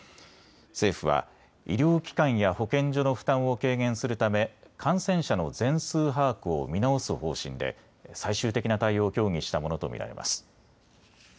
政府は医療機関や保健所の負担を軽減するため感染者の全数把握を見直す方針で最終的な対応を協議したものと見られます。